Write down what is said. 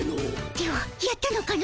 ではやったのかの？